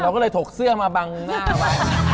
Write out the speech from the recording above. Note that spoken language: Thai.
เราก็เลยถกเสื้อมาบังหน้าว่ะ